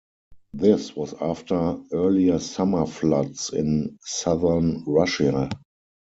This was after earlier summer floods in southern Russia.